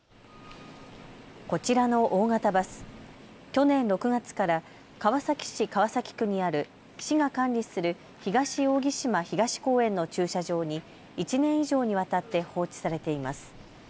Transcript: こちらの大型バス、去年６月から川崎市川崎区にある市が管理する東扇島東公園の駐車場に１年以上にわたって放置されています。